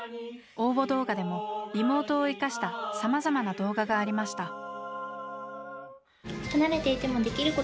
応募動画でもリモートを生かしたさまざまな動画がありました。